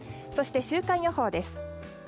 そして、週間予報です。